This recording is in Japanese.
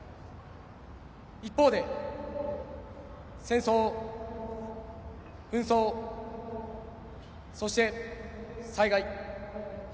一方で戦争、紛争、そして災害。